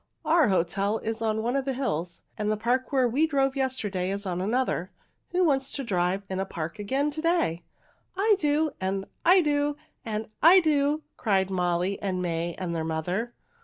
"Our hotel is on one of the hills, and the park where we drove yesterday is on another. Who wants to drive in the park again to day?" "I do!" and "I do!" and "I do!" cried Molly and May and their mother.